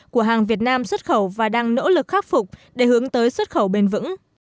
của hàng việt nam xuất khẩu và đang nỗ lực khắc phục để hướng tới xuất khẩu bền vững